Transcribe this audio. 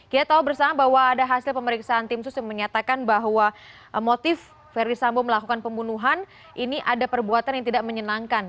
kita tahu bersama bahwa ada hasil pemeriksaan tim sus yang menyatakan bahwa motif verdi sambo melakukan pembunuhan ini ada perbuatan yang tidak menyenangkan